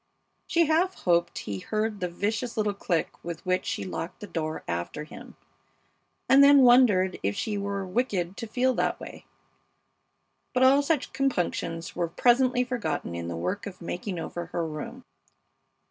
She half hoped he heard the vicious little click with which she locked the door after him, and then wondered if she were wicked to feel that way. But all such compunctions were presently forgotten in the work of making over her room.